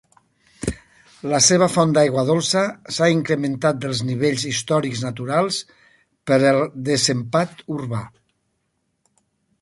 La seva font d'aigua dolça s'ha incrementat dels nivells històrics naturals per el desempat urbà.